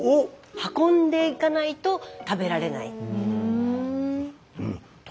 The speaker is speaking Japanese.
運んでいかないと食べられない。